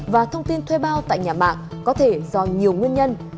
và thông tin thuê bao tại nhà mạng có thể do nhiều nguyên nhân